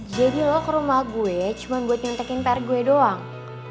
jadi lo ke rumah gue cuma buat nyontekin pr gue doang